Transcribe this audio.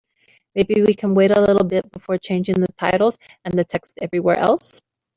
Maybe we can wait a little bit before changing the titles and the text everywhere else?